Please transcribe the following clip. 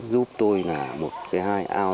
giúp tôi là một cái hai ao